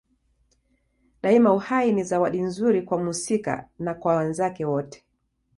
Daima uhai ni zawadi nzuri kwa mhusika na kwa wenzake wote.